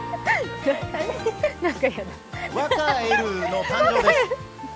ワカエルの誕生です。